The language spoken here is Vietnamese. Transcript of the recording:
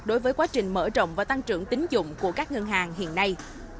đối với quá trình mở rộng và tăng trưởng tính dụng của các ngân hàng hiện nay